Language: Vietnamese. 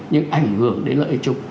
nhưng ảnh hưởng đến lợi ích trục